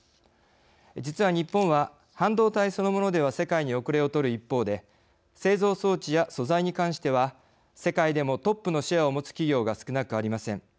実は、日本は半導体そのものでは世界におくれをとる一方で製造装置や素材に関しては世界でもトップのシェアを持つ企業が少なくありません。